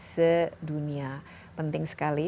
sedunia penting sekali